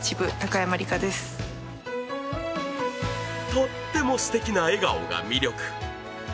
とってもすてきな笑顔が魅力。